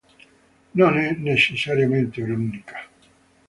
Non è necessariamente unica.